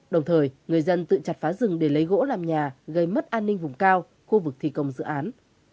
đồng thời người dân tự chặt phá rừng để lấy gỗ làm nhà gây mất an ninh vùng cao khu vực thi công dự án